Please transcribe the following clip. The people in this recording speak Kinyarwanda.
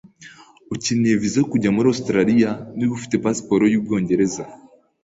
Ukeneye viza yo kujya muri Ositaraliya niba ufite pasiporo y'Ubwongereza?